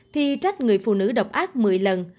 thì trách người phụ nữ độc ác một mươi lần